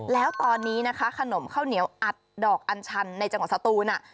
แล้วตอนนี้นะคะขนมข้าวเหนียวอัดดอกอัญชันในจังหวัดสตูน